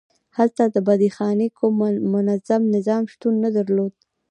هلته د بندیخانې کوم منظم نظام شتون نه درلود.